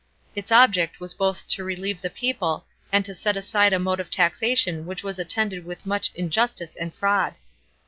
Its object was both to relieve the people and to set aside a mode of taxation which was attended with much injustice and fraud.